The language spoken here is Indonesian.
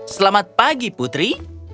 selamat pagi putri